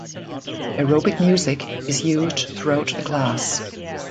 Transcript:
Aerobic music is used throughout the class.